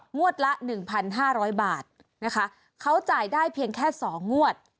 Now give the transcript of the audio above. ละ๑๕๐๐บาทนะคะเขาจ่ายได้เพียงแค่๒งวด